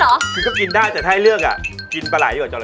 เครียมก็กินได้แต่ถ้าให้เลือกกินปลาไหร๋อยู่กว่าจอระเท้